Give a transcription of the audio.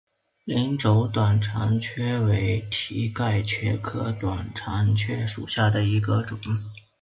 鳞轴短肠蕨为蹄盖蕨科短肠蕨属下的一个种。